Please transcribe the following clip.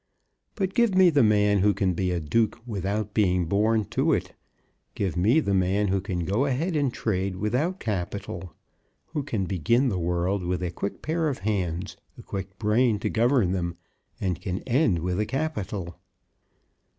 But give me the man who can be a duke without being born to it. Give me the man who can go ahead in trade without capital; who can begin the world with a quick pair of hands, a quick brain to govern them, and can end with a capital.